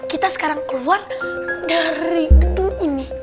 kita sekarang keluar dari gedung ini